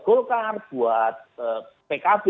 golkar buat pkb